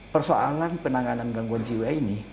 persoalan penanganan gangguan jiwa ini